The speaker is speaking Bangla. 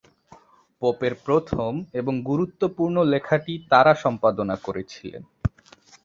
পোপের প্রথম এবং গুরুত্বপূর্ণ লেখাটি তারা সম্পাদনা করেছিলেন।